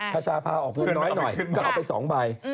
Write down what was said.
คชาพาออกเงินน้อยก็เอาไป๒ใบ